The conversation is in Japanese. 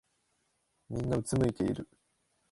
みんなうつむいてる。